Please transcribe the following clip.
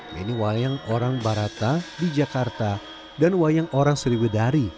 ini wayang orang barata di jakarta dan wayang orang sriwidari